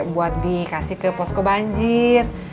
buat dikasih ke posko banjir